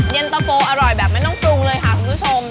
เย็นตะโฟอร่อยแบบไม่ต้องปรุงเลยค่ะคุณผู้ชม